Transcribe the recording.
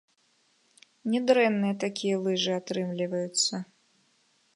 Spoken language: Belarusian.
Нядрэнныя такія лыжы атрымліваюцца.